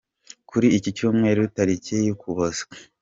Kuri iki Cyumweru tariki ya Ukuboza.